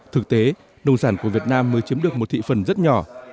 thực tế nông sản của việt nam mới chiếm được một thị phần rất nhỏ